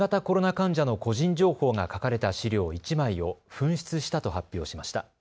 患者の個人情報が書かれた資料１枚を紛失したと発表しました。